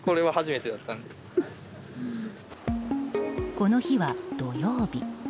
この日は土曜日。